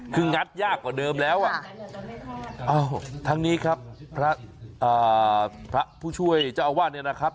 คืองัดยากกว่าเดิมแล้วอ่ะทั้งนี้ครับพระผู้ช่วยเจ้าอาวาสเนี่ยนะครับ